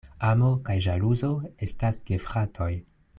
Amo kaj ĵaluzo estas gefratoj.